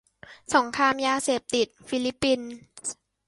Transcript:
-สงครามยาเสพติด ฟิลิปปินส์